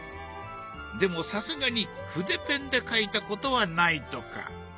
でもさすがに筆ペンで描いたことはないとか。